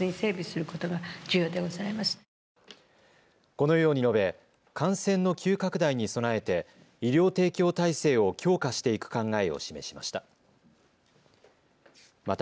このように述べ感染の急拡大に備えて医療提供体制を強化していく考えを示しました。